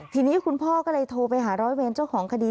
ทีนี้คุณพ่อก็เลยโทรไปหาร้อยเวรเจ้าของคดี